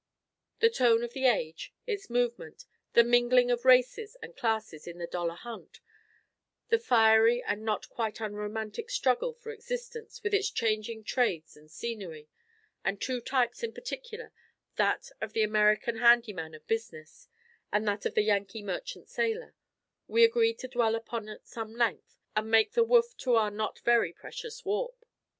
The tone of the age, its movement, the mingling of races and classes in the dollar hunt, the fiery and not quite unromantic struggle for existence with its changing trades and scenery, and two types in particular, that of the American handy man of business and that of the Yankee merchant sailor we agreed to dwell upon at some length, and make the woof to our not very precious warp.